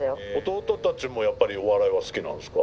弟たちもやっぱりお笑いは好きなんですか？